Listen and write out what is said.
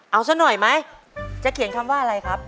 เอาซะหน่อยไหมจะเขียนคำว่าอะไรครับ